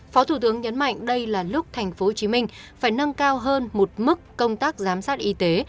phó thủ tướng nhấn mạnh đây là lúc tp hcm phải nâng cao hơn một mức công tác giám sát y tế